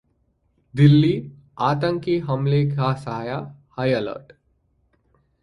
दिल्ली: आतंकी हमले का साया, हाई अलर्ट